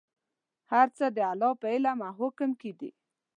هر څه د الله په علم او حکم کې دي.